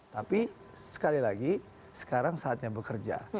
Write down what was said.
tapi sekali lagi sekarang saatnya bekerja